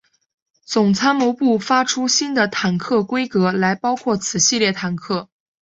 总参谋部发出新的坦克规格来包括此系列坦克。